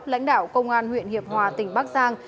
lãnh đạo công an huyện hiệp hòa tỉnh bắc giang